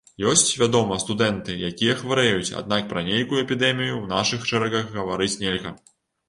Ёсць, вядома, студэнты, якія хварэюць, аднак пра нейкую эпідэмію ў нашых шэрагах гаварыць нельга.